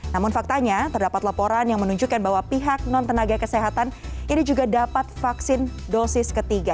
namun faktanya terdapat laporan yang menunjukkan bahwa pihak non tenaga kesehatan ini juga dapat vaksin dosis ketiga